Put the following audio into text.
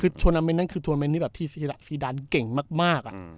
คือโทนมันท์นั้นคือโทนมันท์นี่แบบที่ซีดานเก่งมากมากอ่ะอืม